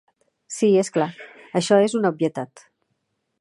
Sí, és clar, això és una obvietat.